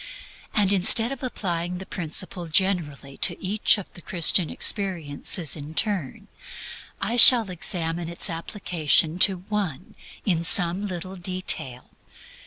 And instead of applying the principle generally to each of the Christian experiences in turn, I shall examine its application to one in some little detail.